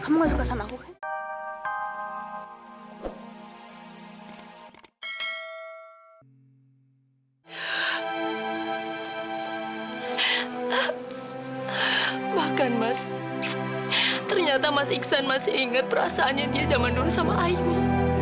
bahkan mas ternyata mas iksan masih ingat perasaannya dia zaman dulu sama aini